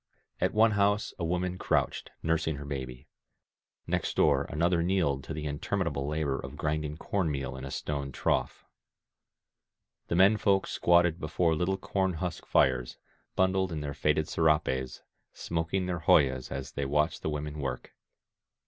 At one house a woman crouched, nursing her baby; next door another kneeled to the interminable labor of I grinding corn meal in a stone trough. The men folk squatted before little corn husk fires, bundled in their faded serapes, smoking their hojas as they watched the women work.